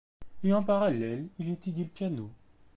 Et en parallèle, il étudie le piano.